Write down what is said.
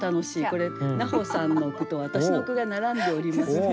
これ菜穂さんの句と私の句が並んでおりまして。